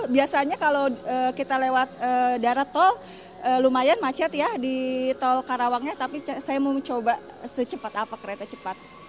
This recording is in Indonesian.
biasanya kalau kita lewat darat tol lumayan macet ya di tol karawangnya tapi saya mau mencoba secepat apa kereta cepat